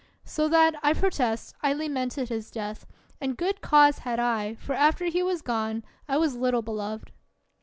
So that I protest I lamented his death, and good cause had I, for after he was gone I was little beloved.